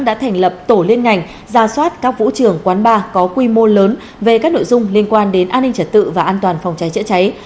đã thành lập tổ liên ngành ra soát các vũ trường quán bar có quy mô lớn về các nội dung liên quan đến an ninh trật tự và an toàn phòng cháy chữa cháy